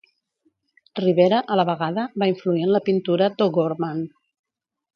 Rivera, a la vegada, va influir en la pintura d'O'Gorman.